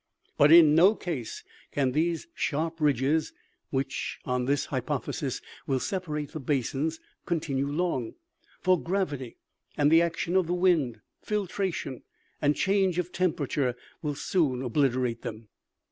" But in no case can these sharp ridges, which, on this hypothesis, will separate the basins, continue long ; for gravity and the action of the wind, filtration and change of temperature, will soon obliterate them.